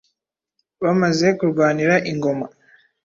bamaze kurwanira ingoma,